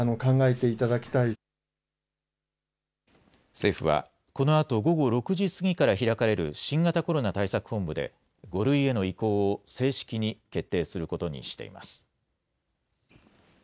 政府は、このあと午後６時過ぎから開かれる新型コロナ対策本部で、５類への移行を正式に決定することにしています。